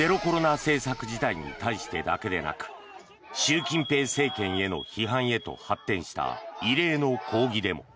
政策自体に対してだけでなく習近平政権への批判へと発展した異例の抗議デモ。